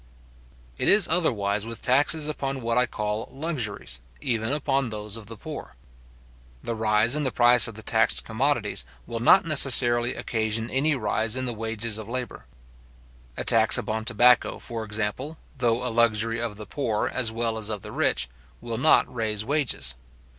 It is otherwise with taxes upon what I call luxuries, even upon those of the poor. The rise in the price of the taxed commodities, will not necessarily occasion any rise in the wages of labour. A tax upon tobacco, for example, though a luxury of the poor, as well as of the rich, will not raise wages.